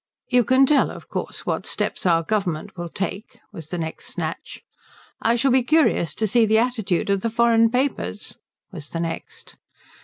"You can tell, of course, what steps our Government will take," was the next snatch. "I shall be curious to see the attitude of the foreign papers," was the next.